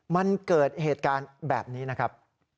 มันเกิดเหตุการณ์แบบนี้นะครับ